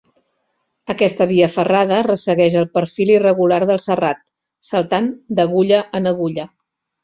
Aquesta via ferrada ressegueix el perfil irregular del serrat, saltant d'agulla en agulla.